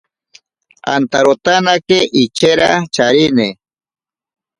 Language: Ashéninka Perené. Antaro tanaatake ichera charine.